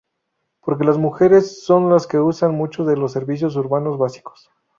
Porque las mujeres son las que usan muchos de los servicios urbanos básicos"".